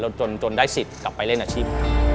แล้วจนได้สิทธิ์กลับไปเล่นอาชีพ